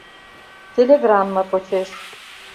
— Телеграмма почеш.